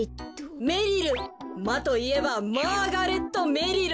マといえばマーガレットメリル。